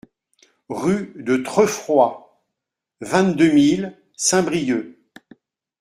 Rue de Trefois, vingt-deux mille Saint-Brieuc